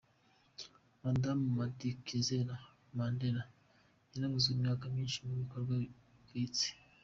Madamu Madikizela-Mandela yaravuzwe imyaka myinshi mu bikogwa bigayitse.